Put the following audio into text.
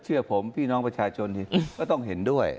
เชื่อผมพี่น้องประชาชนก็ต้องเห็นด้วย